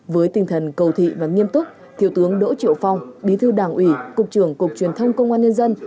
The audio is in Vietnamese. với tinh thần cầu thị và nghiêm túc thiếu tướng đỗ triệu phong bí thư đảng ủy cục trưởng cục truyền thông công an nhân dân